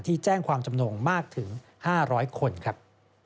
ที่แจ้งความจำนงมากถึง๕๐๐คนครับ